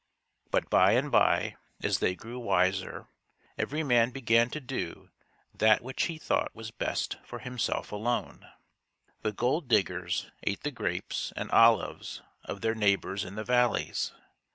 But by and by, as they grew wiser, every man began to do that which he thought was best for himself alone. The gold diggers ate the grapes and olives of their neighbors in the valleys.